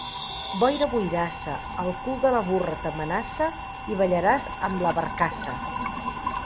Boira boirassa, el cul de la burra t'amenaça i ballaràs amb la barcassa.